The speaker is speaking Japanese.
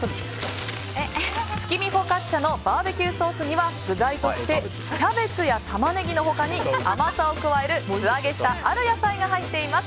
月見フォカッチャのバーベキューソースには具材としてキャベツやタマネギの他に甘さを加える、素揚げしたある野菜が入っています。